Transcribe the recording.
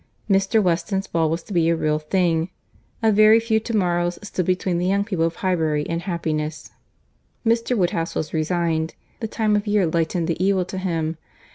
Mr. Weston's ball was to be a real thing. A very few to morrows stood between the young people of Highbury and happiness. Mr. Woodhouse was resigned. The time of year lightened the evil to him.